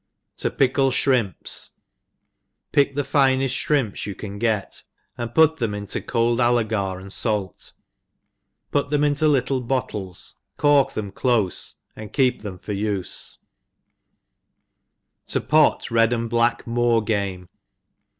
To pickle Shrimps. PICK the fined dirimps you can gtt^ and put them into cold allegar and fait, put them into little bottles> cork them clofe, and keep them lor ufe. E a. To 52 THE EXPERIENCED^ To pot red and black Moor GAMe.